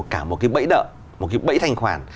cả một cái bẫy đợ một cái bẫy thành khoản